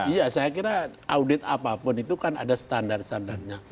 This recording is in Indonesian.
iya saya kira audit apapun itu kan ada standar standarnya